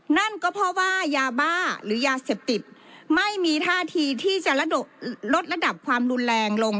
นั่นก็เพราะว่ายาบ้าหรือยาเสพติดไม่มีท่าทีที่จะลดระดับความรุนแรงลง